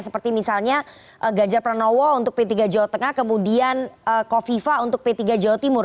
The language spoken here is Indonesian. seperti misalnya ganjar pranowo untuk p tiga jawa tengah kemudian kofifa untuk p tiga jawa timur